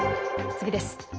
次です。